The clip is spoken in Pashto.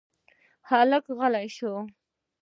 هلک غلی شو.